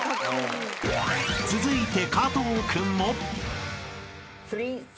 ［続いて］